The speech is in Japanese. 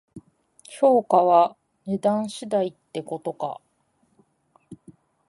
評価は値段次第ってことか